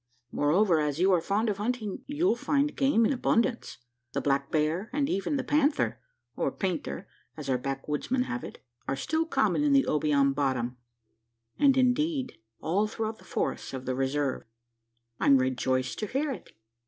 Moreover, as you are fond of hunting, you'll find game in abundance. The black bear, and even the panther or `painter,' as our backwoodsmen have it are still common in the Obion bottom; and indeed, all throughout the forests of the Reserve." "I'm rejoiced to hear it."